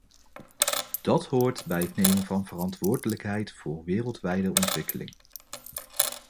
Dat hoort bij het nemen van verantwoordelijkheid voor wereldwijde ontwikkeling.